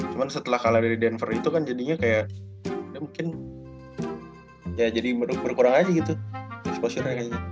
cuma setelah kalah dari denver itu kan jadinya kayak mungkin ya jadi berkurang aja gitu exposure nya kayaknya